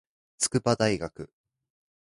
筑波大学